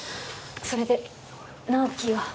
それで直木は？